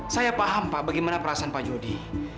saya paham pak bagaimana perasaan pak yudi